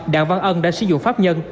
đảng văn ân đã sử dụng pháp nhân